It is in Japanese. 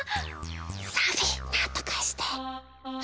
サフィーなんとかして！